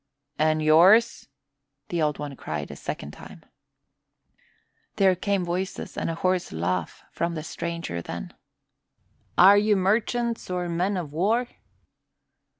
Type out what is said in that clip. "And yours?" the Old One cried the second time. There came voices and a hoarse laugh from the stranger, then, "Are you merchants or men of war?"